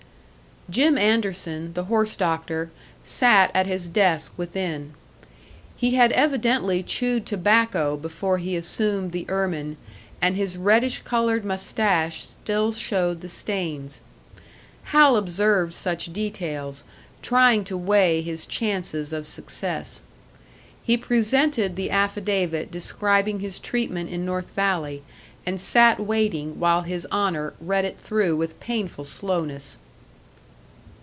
Jim Anderson, the horse doctor, sat at his desk within. He had evidently chewed tobacco before he assumed the ermine, and his reddish coloured moustache still showed the stains. Hal observed such details, trying to weigh his chances of success. He presented the affidavit describing his treatment in North Valley, and sat waiting while His Honour read it through with painful slowness.